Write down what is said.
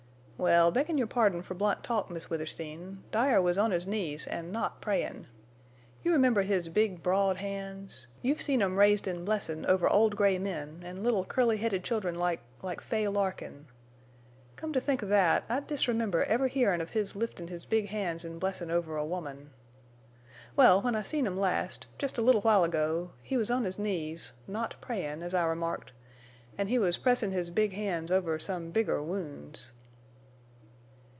"Wal, beggin' your pardon fer blunt talk, Miss Withersteen, Dyer was on his knees an' not prayin'. You remember his big, broad hands? You've seen 'em raised in blessin' over old gray men an' little curly headed children like—like Fay Larkin! Come to think of thet, I disremember ever hearin' of his liftin' his big hands in blessin' over a woman. Wal, when I seen him last—jest a little while ago—he was on his knees, not prayin', as I remarked—an' he was pressin' his big hands over some bigger wounds."